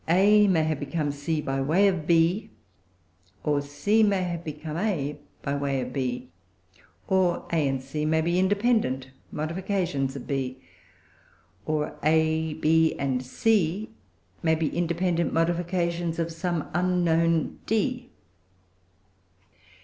A may have become C by way of B; or C may have become A by way of B; or A and C may be independent modifications of B; or A, B, and C may be independent modifications of some unknown D.